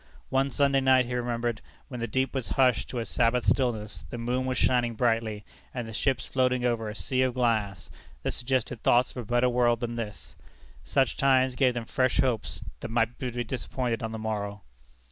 One Sunday night he remembered, when the deep was hushed to a Sabbath stillness, the moon was shining brightly, and the ships floating over a "sea of glass," that suggested thoughts of a better world than this. Such times gave them fresh hopes, that might be disappointed on the morrow.